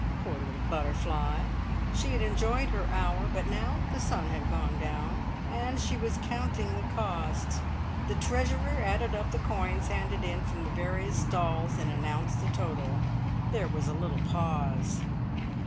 Poor little butterfly! she had enjoyed her hour, but now the sun had gone down, and she was counting the cost. The treasurer added up the coins handed in from the various stalls and announced the total. There was a little pause.